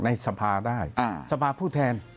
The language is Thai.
ในสภาได้สภาผู้แทน